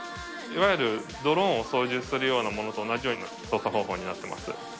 いわゆるドローンを操縦するようなものと、同じような操作方法になってます。